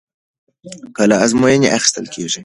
کله ازموینه اخیستل کېږي؟